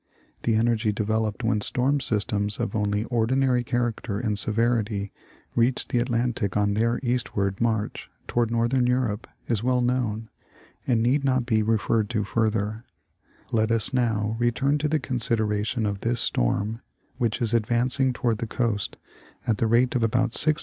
The energy developed when storm systems of only ordinary character and severity reach the Atlantic on their eastward march toward northern Europe is well known, and need not be referred to further : let us now return to the consid eration of this storm which is advancing toward the coast at the 48 National Geographic Magazine.